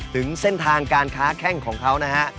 ถึงเส้นทางการค้าแข้งของเขานะฮะ